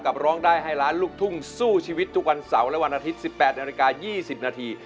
ร้องได้ให้ล้านลูกทุ่งสู้ชีวิตทุกวันเสาร์และวันอาทิตย์๑๘นาฬิกา๒๐นาที